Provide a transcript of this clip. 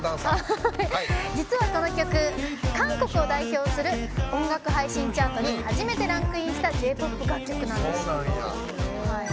実はこの曲、韓国を代表する音楽配信チャートに初めてランクインしたＪ‐ＰＯＰ楽曲なんです。